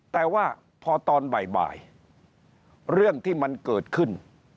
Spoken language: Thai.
แต่ว่าพอตอนบ่ายเรื่องที่มันเกิดขึ้น